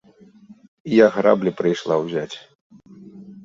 Я граблі прыйшла ўзяць!